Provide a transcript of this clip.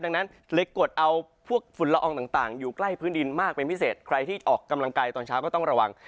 ดังนั้นเลยกดเอาพวกฝุ่นละอองต่างอยู่ใกล้พื้นดินมากเป็นพิเศษใครที่ออกกำลังกายตอนเช้าก็ต้องระวัง